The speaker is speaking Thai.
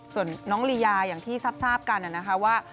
ส่วนน้องลียาอย่างที่ทราบกันนะคะว่า